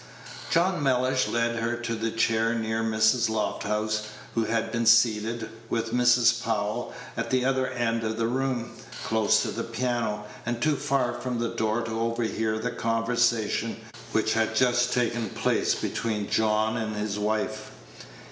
John Mellish led her to a chair near Mrs. Lofthouse, who had been seated, with Mrs. Powell, at the other end of the room, close to the piano, and too far from the door to overhear the conversation which had just taken place between John and his wife.